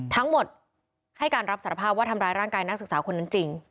ทั้งหมดให้การรับสารภาพว่าทำร้ายร่างกายนักศึกษาคนนั้นจริง